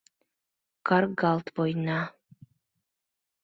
Каргалт, война!